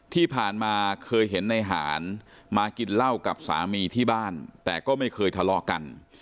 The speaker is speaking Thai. ที่ผ่านมาเคยเห็นในหารมากินเหล้ากับสามีที่บ้านแต่ก็ไม่เคยทะเลาะกัน